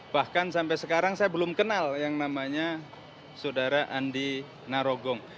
bahkan sampai sekarang saya belum kenal yang namanya saudara andi narogong